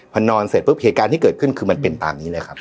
พอนอนเสร็จปุ๊บเหตุการณ์ที่เกิดขึ้นคือมันเป็นตามนี้เลยครับ